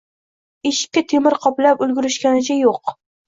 Eshikka temir qoplab ulgurishganicha yo`q